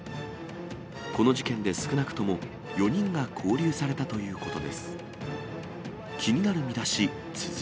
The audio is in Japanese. この事件で少なくとも４人が勾留されたということです。